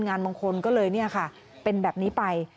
งานมงคลก็เลยเป็นแบบนี้ไป